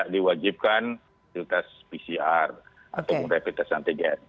diwajibkan filtas pcr ataupun repetas anti gn